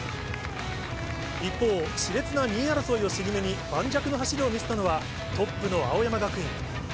一方、しれつな２位争いを尻目に、盤石な走りを見せたのは、トップの青山学院。